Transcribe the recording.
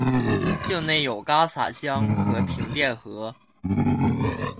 境内有戛洒江和平甸河。